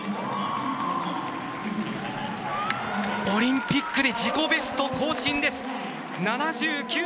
オリンピックで自己ベスト更新です。